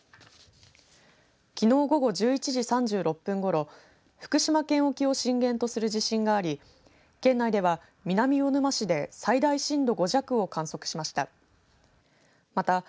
きのう午後１１時３６分ごろ福島県沖を震源とする地震があり県内では南魚沼市で最大震度５弱を観測しました。